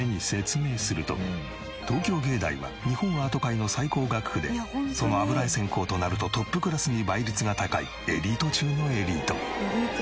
東京藝大は日本アート界の最高学府でその油画専攻となるとトップクラスに倍率が高いエリート中のエリート。